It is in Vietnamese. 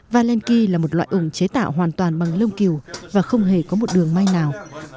valenki là một loại ủng chế tạo hoàn toàn bằng lông kiều và không hề có một đường may nào